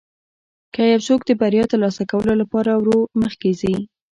که یو څوک د بریا ترلاسه کولو لپاره ورو مخکې ځي.